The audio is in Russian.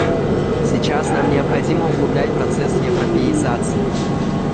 Сейчас нам необходимо углублять процесс европеизации.